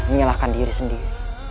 menyalahkan diri sendiri